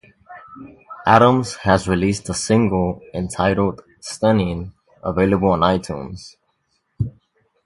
Addams has released a single entitled "Stunning", available on iTunes.